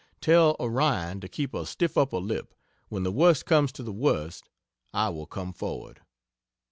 Tell Orion to keep a stiff upper lip when the worst comes to the worst I will come forward.